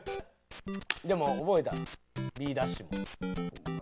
でも覚えたＢダッシュも。